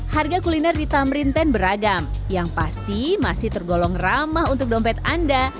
harga kuliner di tamrin ten beragam yang pasti masih tergolong ramah untuk dompet anda